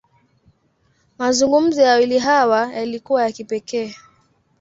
Mazungumzo ya wawili hawa, yalikuwa ya kipekee.